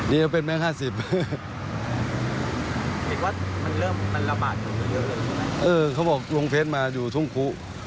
เออเขาบอกลงเพจมาอยู่ทุ่งคุ